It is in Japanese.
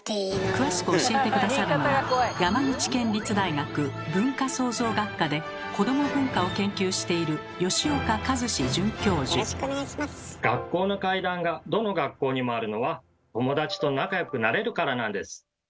詳しく教えて下さるのは山口県立大学文化創造学科で「子ども文化」を研究している学校の怪談がどの学校にもあるのは友達と仲よくなれるからなんです。